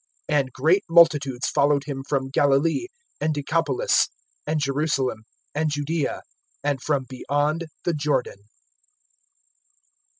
(25)And great multitudes followed him from Galilee, and Decapolis, and Jerusalem, and Judaea, and from beyond the Jordan.